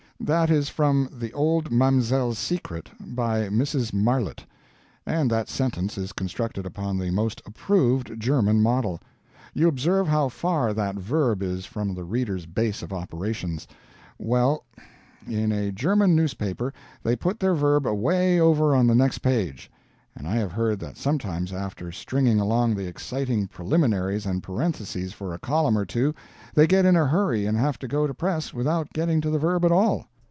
That is from THE OLD MAMSELLE'S SECRET, by Mrs. Marlitt. And that sentence is constructed upon the most approved German model. You observe how far that verb is from the reader's base of operations; well, in a German newspaper they put their verb away over on the next page; and I have heard that sometimes after stringing along the exciting preliminaries and parentheses for a column or two, they get in a hurry and have to go to press without getting to the verb at all.